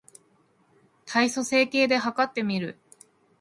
体組成計で計ってみる